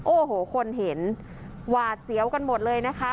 โอ้โหคนเห็นหวาดเสียวกันหมดเลยนะคะ